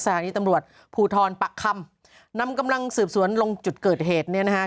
สถานีตำรวจภูทรปักคำนำกำลังสืบสวนลงจุดเกิดเหตุเนี่ยนะฮะ